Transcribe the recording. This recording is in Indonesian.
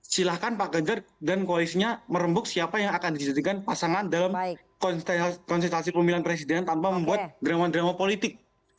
silahkan pak ganjar dan koalisinya merembuk siapa yang akan dijadikan pasangan dalam konsultasi pemilihan presiden tanpa membuat drama drama politik